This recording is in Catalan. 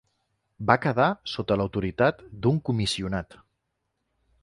Va quedar sota autoritat d'un comissionat.